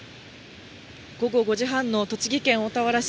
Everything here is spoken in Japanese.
午後５時半の栃木県大田原市。